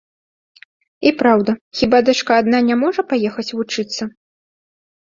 І праўда, хіба дачка адна не можа паехаць вучыцца?